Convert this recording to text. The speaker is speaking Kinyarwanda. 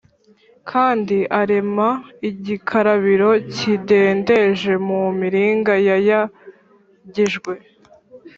Kandi arema igikarabiro kidendeje mu miringa yayagijwe